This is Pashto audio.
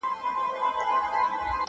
o خوار کور له دېواله معلومېږي!